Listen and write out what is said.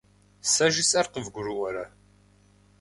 Сэ жысӏэр къывгурыӏуэрэ?